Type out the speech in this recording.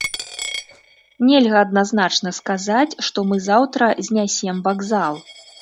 Нельга адназначна сказаць, што мы заўтра знясем вакзал.